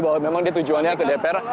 bahwa memang dia tujuannya ke dpr